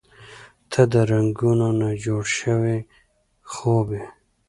• ته د رنګونو نه جوړ شوی خوب یې.